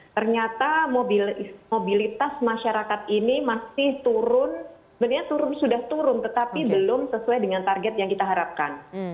ternyata mobilitas masyarakat ini masih turun sebenarnya turun sudah turun tetapi belum sesuai dengan target yang kita harapkan